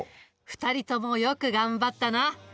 ２人ともよく頑張ったな。